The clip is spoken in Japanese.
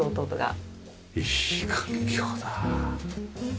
いい環境だ。